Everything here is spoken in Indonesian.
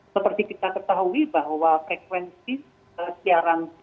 seperti kita ketahui bahwa frekuensi siaran